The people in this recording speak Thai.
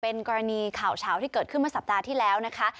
เป็นกรณีข่าวเฉาที่เกิดขึ้นเมื่อสัปดาห์ที่แล้วนะคะ